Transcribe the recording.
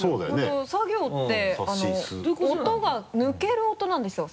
本当サ行って音が抜ける音なんですよ。